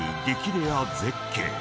レア絶景］